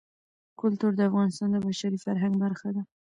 کلتور د افغانستان د بشري فرهنګ برخه ده.